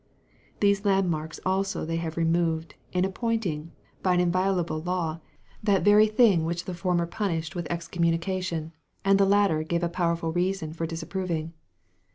These landmarks also they have removed, in appointing, by an inviolable law, that very thing which the former punished with excommunication, and the latter gave a powerful reason for disapproving.